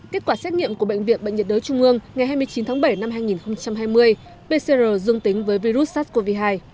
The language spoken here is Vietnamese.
kết quả xét nghiệm của bệnh viện bệnh nhiệt đới trung ương ngày hai mươi chín tháng bảy năm hai nghìn hai mươi pcr dương tính với virus sars cov hai